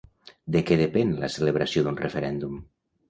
De què depèn la celebració d'un referèndum?